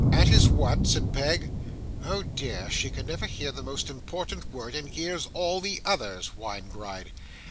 'At his what?' said Peg. 'Oh dear! she can never hear the most important word, and hears all the others!' whined Gride.